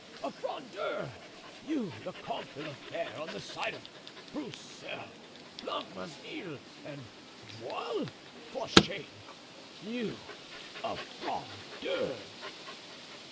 A Frondeur! you, the Comte de la Fere, on the side of Broussel, Blancmesnil and Viole! For shame! you, a Frondeur!"